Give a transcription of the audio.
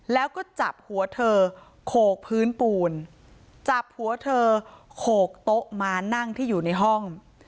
แล้วก็จับหัวเธอโขกพื้นปูนจับหัวเธอโขกโต๊ะม้านั่งที่อยู่ในห้อง